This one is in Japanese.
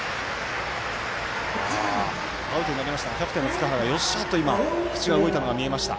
アウトになりましたがキャプテンの塚原よっしゃ！と口が動いたのが見えました。